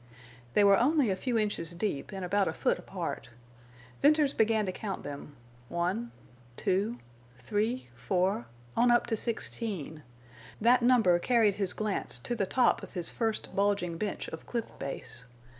They were only a few inches deep and about a foot apart. Venters began to count them—one—two—three—four—on up to sixteen. That number carried his glance to the top of his first bulging bench of cliff base.